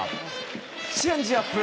チェンジアップ。